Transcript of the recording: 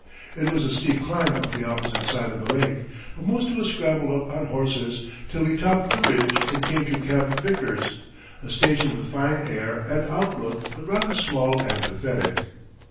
It was a steep climb up the opposite side of the lake, but most of us scrambled up on horses, till we topped the ridge and came to Camp Vickers, a station with fine air and outlook but rather small and pathetic.